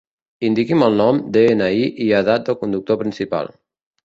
Indiqui'm el nom, de-ena-i i edat del conductor principal.